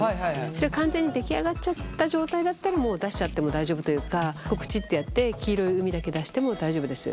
それが完全に出来上がっちゃった状態だったらもう出しちゃっても大丈夫というかぷちっとやって黄色い膿だけ出しても大丈夫です。